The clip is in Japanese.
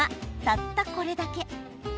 たったこれだけ。